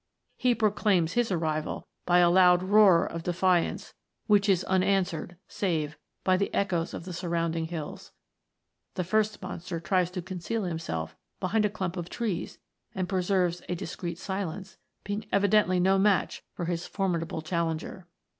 He proclaims his arrival by a loud roar of defiance, which is unanswered save by the echoes of the sur rounding hills. The first monster tries to conceal himself behind a clump of trees and preserves a discreet silence, being evidently no match for his formidable challenger.